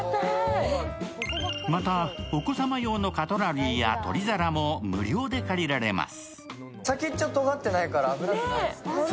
また、お子様用のカトラリーや取り皿も無料で借りられます。